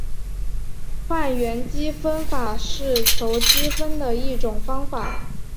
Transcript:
换元积分法是求积分的一种方法。